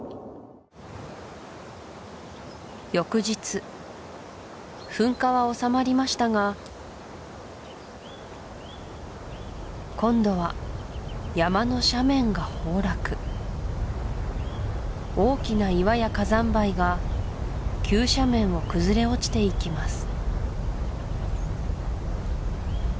翌日噴火は収まりましたが今度は山の斜面が崩落大きな岩や火山灰が急斜面を崩れ落ちていきます